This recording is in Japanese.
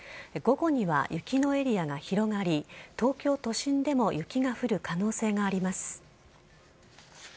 午後には雪のエリアが広がり、東京都心でも雪が降る可能性があります。